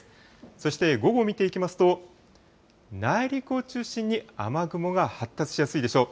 そして午後見ていきますと、内陸を中心に雨雲が発達しやすいでしょう。